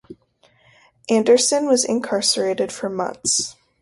Anderson was incarcerated for months.